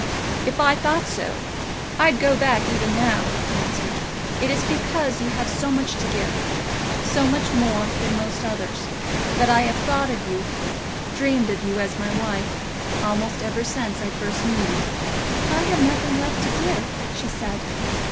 "If I thought so, I'd go back even now," he answered. "It is because you have so much to give, so much more than most others, that I have thought of you, dreamed of you as my wife, almost ever since I first knew you." "I have nothing left to give," she said.